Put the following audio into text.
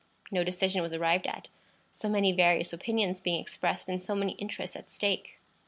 No decision was arrived at; so many various opinions being expressed, and so many interests at stake.